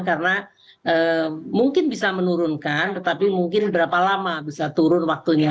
karena mungkin bisa menurunkan tetapi mungkin berapa lama bisa turun waktunya